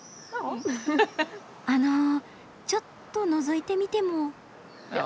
あのちょっとのぞいてみても？